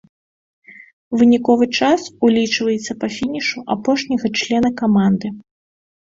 Выніковы час улічваецца па фінішу апошняга члена каманды.